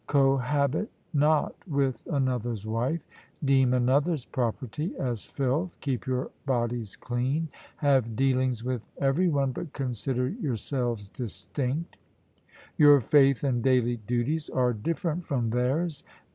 Cohabit not with another's wife. Deem another's property as filth. Keep your bodies clean. Have dealings with every one, but consider your selves distinct. Your faith and daily duties are different from theirs.